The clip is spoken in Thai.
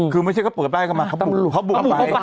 คือไม่ใช่เขาเปิดป้ายเข้ามาเขาบุกเขาบุกไป